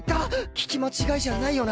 聞き間違いじゃないよな？